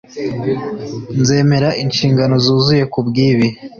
nzemera inshingano zuzuye kubwibi